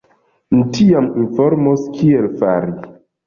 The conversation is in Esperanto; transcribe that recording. Ni tiam informos kiel fari.